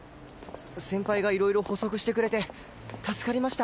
先輩がいろいろ補足してくれて助かりました。